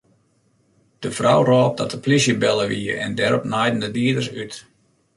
De frou rôp dat de plysje belle wie en dêrop naaiden de dieders út.